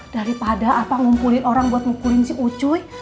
daripada apa ngumpulin orang buat ngukurin si ucuy